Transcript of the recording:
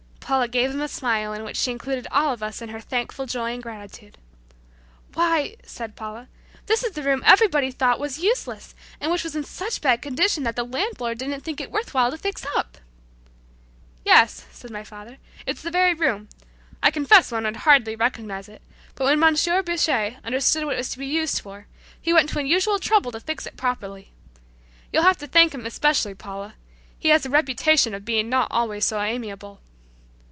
Paula gave him a smile in which she included all of us in her thankful joy and gratitude. "Why!" said Paula, "this was the room everybody thought was useless, and which was in such bad condition that the landlord didn't think it worthwhile to fix up!" "Yes," said my father; "it's the very room. I confess one would hardly recognize it, but when Monsieur Bouché understood what it was to be used for, he went to unusual trouble to fix it properly. You'll have to thank him especially, Paula. He has a reputation of being not always so amiable."